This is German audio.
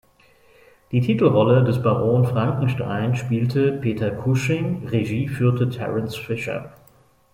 Die Titelrolle des Baron Frankenstein spielt Peter Cushing, Regie führte Terence Fisher.